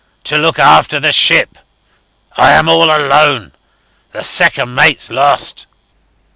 To look after the ship. I am all alone. The second mate's lost.